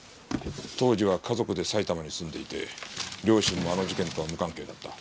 当時は家族で埼玉に住んでいて両親もあの事件とは無関係だった。